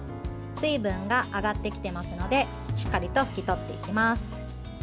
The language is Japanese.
水分が上がってきてますのでしっかりと拭き取っていきます。